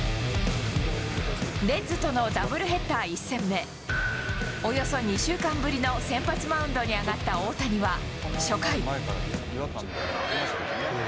レッズとのダブルヘッダー１戦目、およそ２週間ぶりの先発マウンドに上がった大谷は初回。